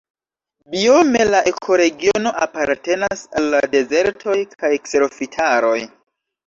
Biome la ekoregiono apartenas al la dezertoj kaj kserofitaroj.